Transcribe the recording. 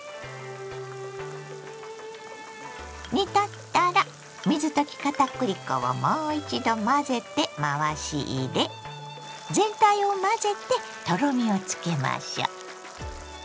煮立ったら水溶き片栗粉をもう一度混ぜて回し入れ全体を混ぜてとろみをつけましょ。